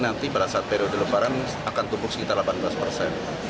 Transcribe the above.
nanti pada saat periode lebaran akan tumbuh sekitar delapan belas persen